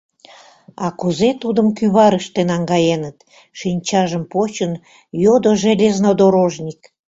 — А кузе тудым кӱварыште наҥгаеныт? — шинчажым почын, йодо железнодорожник.